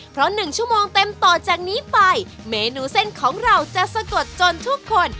เพราะ๑ชั่วโมงเต็มต่อจากนี้ไปเมนูเส้นของเราจะสะกดจนทุกคน